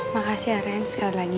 makasih ya ren sekali lagi